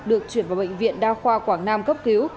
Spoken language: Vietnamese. được chuyển vào bệnh viện đa khoa quảng nam cấp cứu